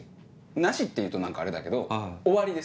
なしっていうと何かあれだけど終わりです。